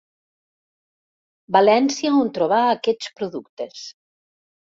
València on trobar aquests productes.